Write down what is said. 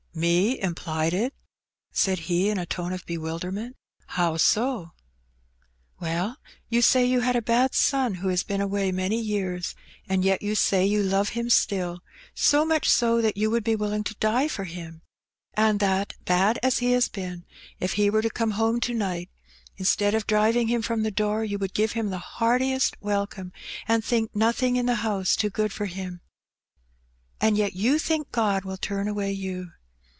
Me implied it? said he in a tone of bewilderment. *'How so? ''Well, you say you had a bad son who has been away many years, and yet you say you love him still, so much so that you would willingly die for him; and that, bad as he has been, if he were to come home to night, instead of driving him from the door, you would give him the heartiest welcome, and think nothing in the house too good for him. And yet you think God will turn away you.